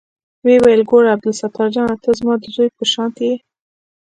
ويې ويل ګوره عبدالستار جانه ته زما د زوى په شانتې يې.